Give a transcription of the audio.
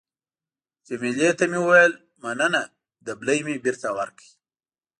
جميله ته مې وویل: مننه. دبلی مې بېرته ورکړ.